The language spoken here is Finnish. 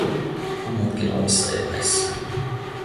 Kummatkin omissa eväissään.